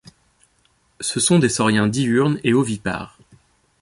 Ce sont des sauriens diurnes et ovipares.